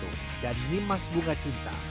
bastral gaito dan nimas bungacinta